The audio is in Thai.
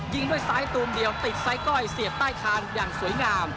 ยิงด้วยซ้ายตูมเดียวติดไซสก้อยเสียบใต้คานอย่างสวยงาม